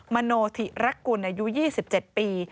มโนธิรกุลอายุ๒๗ปี